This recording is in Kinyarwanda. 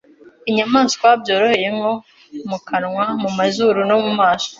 inyamaswa byorohereye nko mu kanwa, mu mazuru no mu maso.